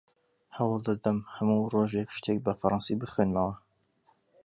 هەوڵ دەدەم هەموو ڕۆژێک شتێک بە فەڕەنسی بخوێنمەوە.